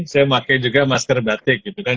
saya pakai juga masker batik gitu kan